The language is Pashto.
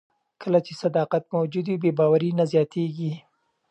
کله چې صداقت موجود وي، بې باوري نه زیاتیږي.